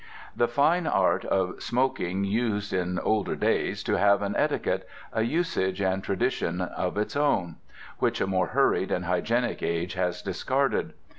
The fine art of smoking used, in older days, to have an etiquette, a usage, and traditions of its own, which a more hurried and hygienic age has discarded.